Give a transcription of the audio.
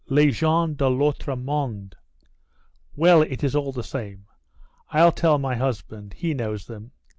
Des gens de l'autre monde. Well, it is all the same. I'll tell my husband, he knows them.